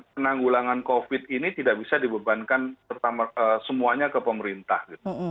penanggulangan covid ini tidak bisa dibebankan semuanya ke pemerintah